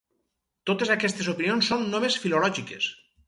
Totes aquestes opinions són només filològiques.